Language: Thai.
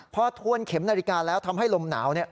พอทวนเข็มนาฬิกาแล้วทำให้ลมหนาวเนี่ย